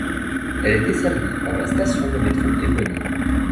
Elle est desservie par la station de métro éponyme.